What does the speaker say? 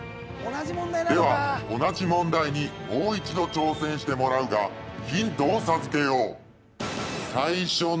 では同じ問題にもう一度挑戦してもらうがヒントを授けよう。